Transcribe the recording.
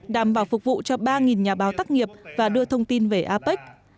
đảm bảo phục vụ cho ba nhà báo tác nghiệp và đưa thông tin về apec